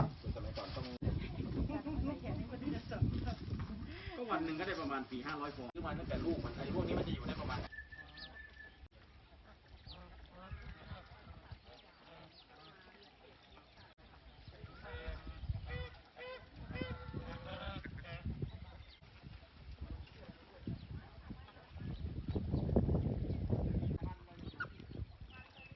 นักฟังวันหนึ่งก็ได้ประมาณปีห้าร้อยฟังวันหนึ่งก็ได้ประมาณปีห้าร้อยฟวงวันหนึ่งก็ได้ประมาณปีห้าร้อยฟวง